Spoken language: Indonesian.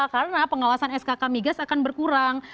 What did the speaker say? karena pengawasan skk migas akan berkurang